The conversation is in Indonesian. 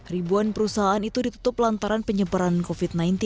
ribuan perusahaan itu ditutup lantaran penyebaran covid sembilan belas